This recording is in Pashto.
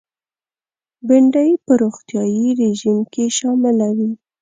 بېنډۍ په روغتیایي رژیم کې شامله وي